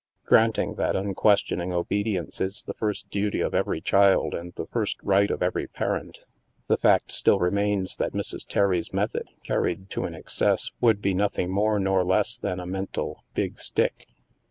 Granting that unquestioning obedience is the first duty of every child and the first right of every parent, the fact still remains that Mrs. Terry's method, carried to an excess, would be nothing more nor less than a mental " big stick."